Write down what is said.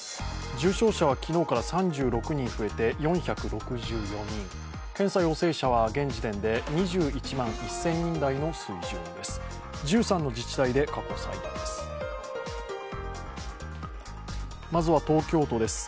重症者は昨日から３６人増えて４６４人検査陽性者は現時点で２１万１０００人台の水準です。